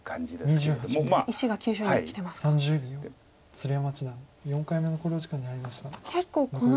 鶴山八段４回目の考慮時間に入りました。